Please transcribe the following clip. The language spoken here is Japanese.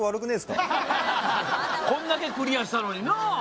こんだけクリアしたのになあ？